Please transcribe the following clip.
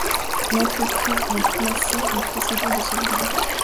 L'entreprise en placée en procédure de sauvegarde.